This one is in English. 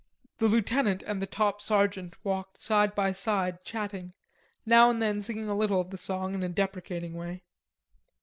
The lieutenant and the top sergeant walked side by side chatting, now and then singing a little of the song in a deprecating way.